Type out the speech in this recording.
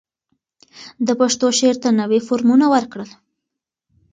ده پښتو شعر ته نوي فورمونه ورکړل